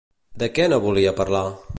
De què no volia parlar?